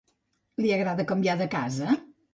Li agrada canviar de casa?